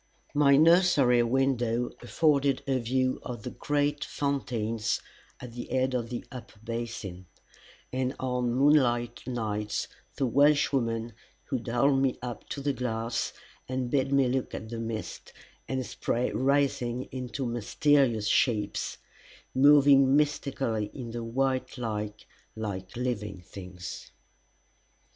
My nursery window afforded a view of the great fountains at the head of the upper basin, and on moonlight nights the Welshwoman would hold me up to the glass and bid me look at the mist and spray rising into mysterious shapes, moving mystically in the white light like living things.